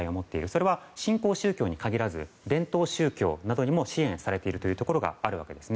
それは新興宗教に限らず伝統宗教に支援されているところもあります。